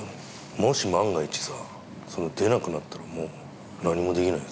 もし万が一さ出なくなったらもう何もできないよ